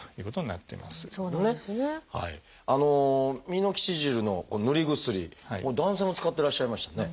ミノキシジルの塗り薬男性も使ってらっしゃいましたね。